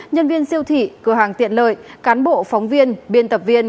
nhân viên siêu thị cửa hàng tiện lợi cán bộ phóng viên biên tập viên